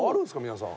皆さん。